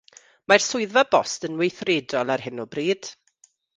Mae'r swyddfa bost yn weithredol ar hyn o bryd.